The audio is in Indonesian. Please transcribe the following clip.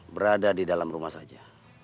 berada di dalam rumah saja